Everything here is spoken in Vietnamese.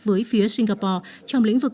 với phía singapore trong lĩnh vực